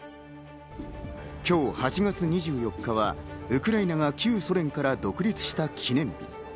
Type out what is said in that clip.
今日８月２４日はウクライナが旧ソ連から独立した記念日。